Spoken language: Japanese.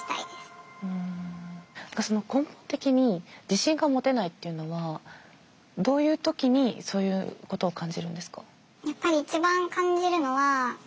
根本的に自信が持てないっていうのはどういう時にそういうことを感じるんですか？